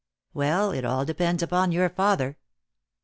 "Well, it all depends upon your father."